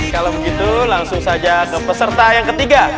kalau begitu langsung saja ke peserta yang ketiga